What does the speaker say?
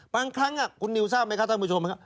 บางครั้งคุณนิวทราบไหมครับท่านผู้ชมครับ